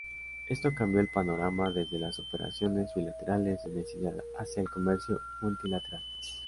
Esto cambió el panorama desde las operaciones bilaterales de necesidad hacia el comercio multilateral.